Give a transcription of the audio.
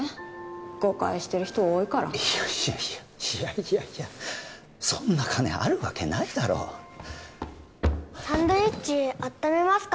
誤解してる人多いからいやいやいやいやいやいやそんな金あるわけないだろ「サンドイッチあっためますか？」